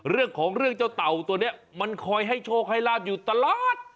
เรื่องของเรื่องเจ้าเต่าตัวนี้มันคอยให้โชคให้ลาบอยู่ตลอด